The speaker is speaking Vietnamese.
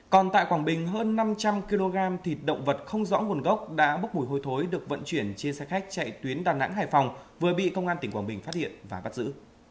còn tại quảng bình hơn năm trăm linh kg thịt động vật không rõ nguồn gốc đã bốc mùi hôi thối được vận chuyển trên xe khách chạy tuyến đà nẵng hải phòng vừa bị công an tỉnh quảng bình phát hiện và bắt giữ